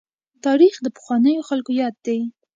تاريخ د پخوانیو خلکو ياد دی.